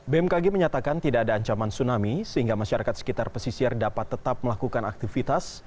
bmkg menyatakan tidak ada ancaman tsunami sehingga masyarakat sekitar pesisir dapat tetap melakukan aktivitas